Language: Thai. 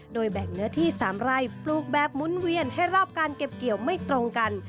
โดยแบ่งเนื้อที่๓ไร่ปลูกแบบหมุนเวียนให้รอบการเก็บเกี่ยวไม่ตรงกัน